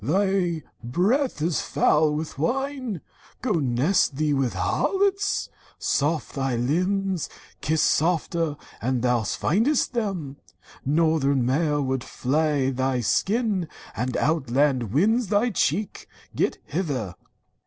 Thy breath is foul with wine ! Go nest thee with thy harlots! Soft thy limbs — Kiss softer, an thou find'st them ! Northern mail Would flay thy skin, and outland winds thy cheek ! Get Either!'